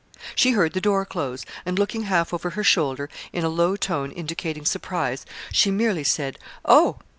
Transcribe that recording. She heard the door close, and looking half over her shoulder, in a low tone indicating surprise, she merely said: 'Oh!'